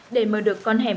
để mở được con hẻm